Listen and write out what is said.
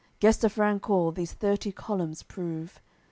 Gesta Francor' these thirty columns prove.